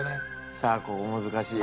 さあここ難しいよ。